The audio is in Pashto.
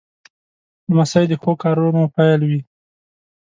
لمسی د ښو کارونو پیل وي.